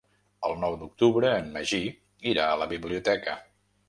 El nou d'octubre en Magí irà a la biblioteca.